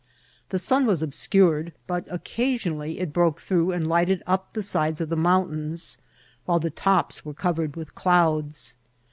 The sun was obscured, but occasionally it broke through 66 INCIDBNTB or TRATEL. and lighted up the sides of the mountains^ while the tops were covered with clouds.